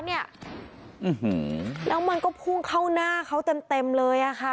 แล้วมันก็พุ่งเข้าหน้าเขาเต็มเลยอะค่ะ